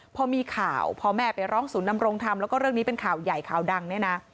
พอมีข่าวพอแม่ไปร้องศูนย์นำรงธรรมแล้วก็เรื่องนี้เป็นข่าวใหญ่ข่าวดังเนี่ยนะ